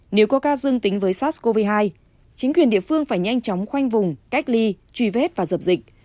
nếu có ca dương tính với sars cov hai chính quyền địa phương phải nhanh chóng khoanh vùng cách ly truy vết và dập dịch